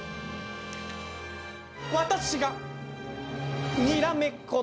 私がにらめっこ